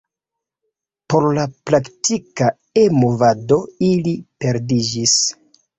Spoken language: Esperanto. Por la praktika E-movado ili perdiĝis.